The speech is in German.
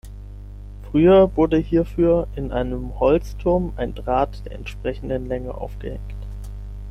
Früher wurde hierfür in einem Holzturm ein Draht der entsprechenden Länge aufgehängt.